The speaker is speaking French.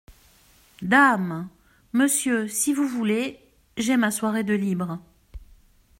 Dame !… monsieur, si vous voulez… j’ai ma soirée de libre.